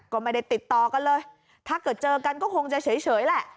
ก็ไม่ได้ติดต่อกันเลยถ้าเกิดเจอกันก็คงจะเฉยแหละ